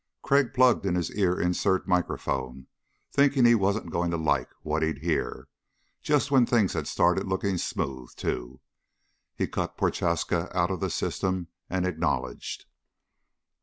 Crag plugged in his ear insert microphone thinking he wasn't going to like what he'd hear. Just when things had started looking smooth too. He cut Prochaska out of the system and acknowledged.